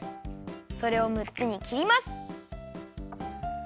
それを６つにきります。